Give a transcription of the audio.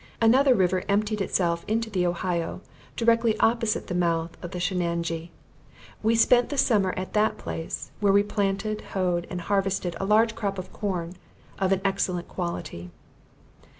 Another river emptied itself into the Ohio, directly opposite the mouth of the Shenanjee. We spent the summer at that place, where we planted, hoed, and harvested a large crop of corn, of an excellent quality.